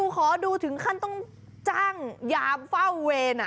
ขอดูถึงขั้นต้องจ้างยามเฝ้าเวร